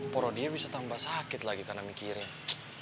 poro dia bisa tambah sakit lagi karena mikirnya